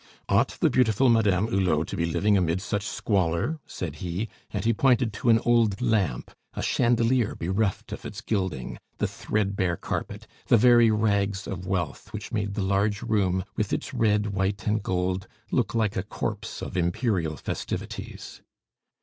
"Ought the beautiful Madame Hulot to be living amid such squalor?" said he, and he pointed to an old lamp, a chandelier bereft of its gilding, the threadbare carpet, the very rags of wealth which made the large room, with its red, white, and gold, look like a corpse of Imperial festivities.